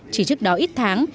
chỉ trước đó ít tháng